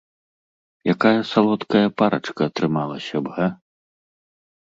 Якая салодкая парачка атрымалася б, га?!